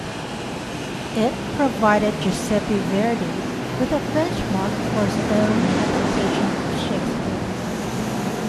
It provided Giuseppe Verdi with a benchmark for his own adaptations of Shakespeare.